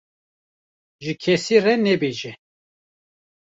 ji kesî re nebêje.